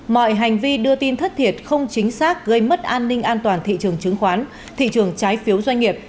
mọi hành vi đưa tin thất thiệt không chính xác gây mất an ninh an toàn thị trường chứng khoán thị trường trái phiếu doanh nghiệp